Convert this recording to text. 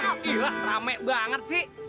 wah gila rame banget sih